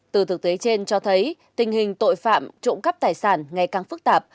từ thực tế trên cho thấy tình hình tội phạm trộm cắp tài sản ngày càng phức tạp